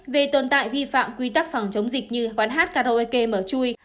về tồn tại vi phạm quy tắc phòng chống dịch như quán hát karaoke mở chui